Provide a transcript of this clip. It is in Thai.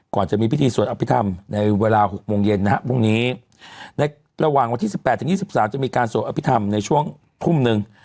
จะมีพิธีสวดอภิษฐรรมในเวลา๖โมงเย็นนะฮะพรุ่งนี้ในระหว่างวันที่๑๘๒๓จะมีการสวดอภิษฐรรมในช่วงทุ่มหนึ่ง